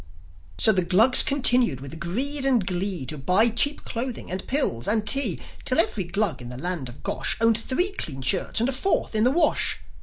So the Glugs continued, with greed and glee, To buy cheap clothing, and pills, and tea; Till every Glug in the land of Gosh Owned three clean shirts and a fourth in the wash.